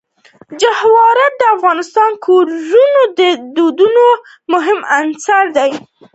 جواهرات د افغان کورنیو د دودونو مهم عنصر دی.